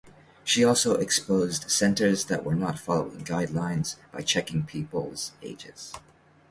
She also exposed centres that were not following guidelines by checking peoples ages.